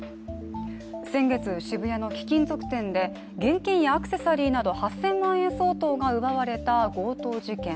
先月、渋谷の貴金属店で、現金やアクセサリーなど８０００万円相当が奪われた強盗事件。